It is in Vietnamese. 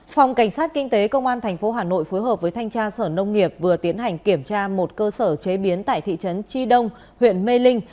phòng cảnh sát kinh tế công an tp hà nội phối hợp với thanh tra sở nông nghiệp vừa tiến hành kiểm tra một cơ sở chế biến tại thị trấn chi đông huyện mê linh